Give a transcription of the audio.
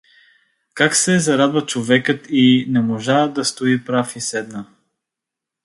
Как се зарадва човекът й — не можа да стои прав и седна.